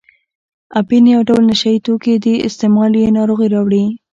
اپین یو ډول نشه یي توکي دي استعمال یې ناروغۍ راوړي.